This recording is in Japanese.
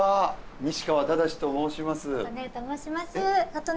西川忠志と申します。